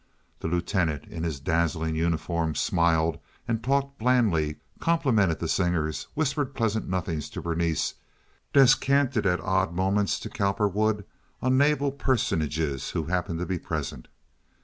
The Lieutenant in his dazzling uniform smiled and talked blandly, complimented the singers, whispered pleasant nothings to Berenice, descanted at odd moments to Cowperwood on naval personages who happened to be present.